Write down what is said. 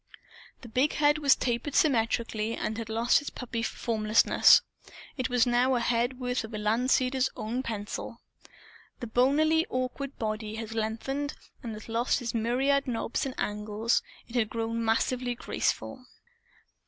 The big head had tapered symmetrically, and had lost its puppy formlessness. It was now a head worthy of Landseer's own pencil. The bonily awkward body had lengthened and had lost its myriad knobs and angles. It had grown massively graceful.